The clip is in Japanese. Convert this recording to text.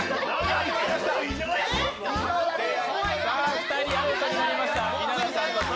２人アウトになりました。